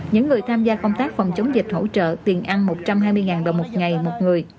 những người tham gia công tác phòng chống dịch hỗ trợ tiền ăn một trăm hai mươi đồng một ngày một người